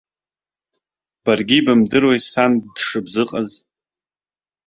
Баргьы ибымдыруеи сан дшыбзыҟаз.